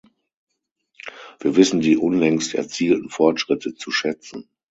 Wir wissen die unlängst erzielten Fortschritte zu schätzen.